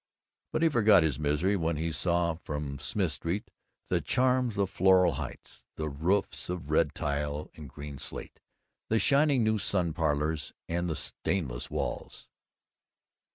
But he forgot his misery when he saw from Smith Street the charms of Floral Heights; the roofs of red tile and green slate, the shining new sun parlors, and the stainless walls.